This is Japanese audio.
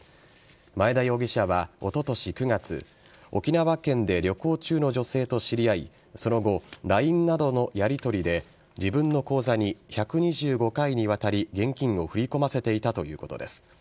マエダ容疑者はおととし９月沖縄県で旅行中の女性と知り合いその後ＬＩＮＥなどのやりとりで自分の口座に１２５回にわたり現金を振り込ませていたということです。